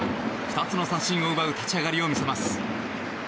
２つの三振を奪う立ち上がりを見せます。